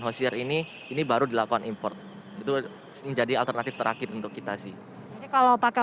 hosier ini ini baru dilakukan import itu menjadi alternatif terakhir untuk kita sih kalau pakai